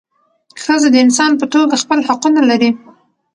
ښځه د انسان په توګه خپل حقونه لري .